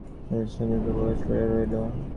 ফণিভূষণ সমস্তদিন উপবাস করিয়া রহিল।